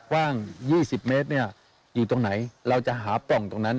กว้าง๒๐เมตรอยู่ตรงไหนเราจะหาปล่องตรงนั้น